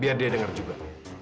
biar dia dengar juga